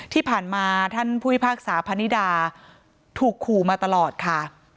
ที่ผ่านมาท่านผู้พิพากษาพนิดาถูกขู่มาตลอดค่ะ